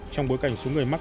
trong bối cảnh số người mắc